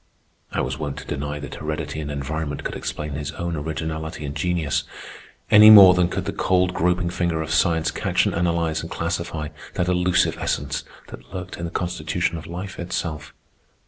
I was wont to deny that heredity and environment could explain his own originality and genius, any more than could the cold groping finger of science catch and analyze and classify that elusive essence that lurked in the constitution of life itself.